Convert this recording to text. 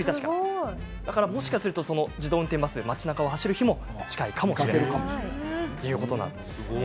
もしかすると自動運転バスが街中を走る日も近いかもしれないということなんです。